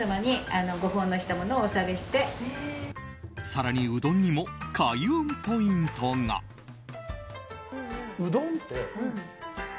更にうどんにも開運ポイントが。